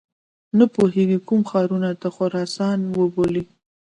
نه پوهیږي کوم ښارونه د خراسان وبولي.